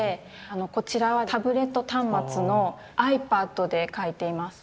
こちらはタブレット端末のアイパッドで描いています。